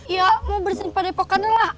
ya mau bersihin padepokan lah